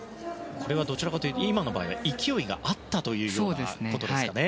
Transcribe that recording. どちらかというと今の場合は勢いがあったということですかね。